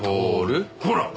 ほら！